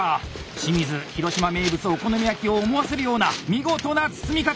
清水広島名物お好み焼きを思わせるような見事な包み方！